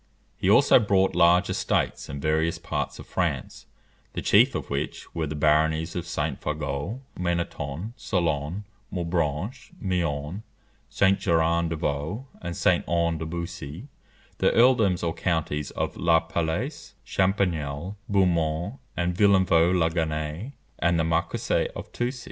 He also bought large estates in various parts of France; the chief of which were the baronies of St. Fargeau, Meneton, Salone, Maubranche, Meaune, St. Gerant de Vaux, and St. Aon de Boissy; the earldoms or counties of La Palisse, Champignelle, Beaumont, and Villeneuve la Genêt, and the marquisate of Toucy.